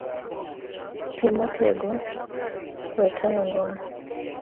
Ti motego, we toyo ngona